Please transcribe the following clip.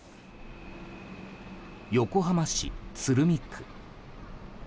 横浜市鶴見区。